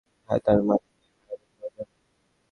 হ্যাঁ - তার মানে কি ভায়োলিন বাজাবে?